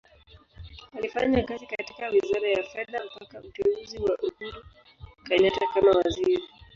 Alifanya kazi katika Wizara ya Fedha mpaka uteuzi wa Uhuru Kenyatta kama Waziri.